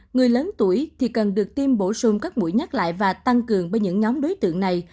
người lớn tuổi thì cần được tiêm bổ sung các mũi nhắc lại và tăng cường bởi những nhóm đối tượng này